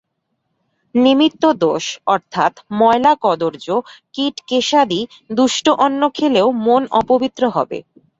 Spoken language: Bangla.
নিমিত্তদোষ অর্থাৎ ময়লা কদর্য কীট-কেশাদি-দুষ্ট অন্ন খেলেও মন অপবিত্র হবে।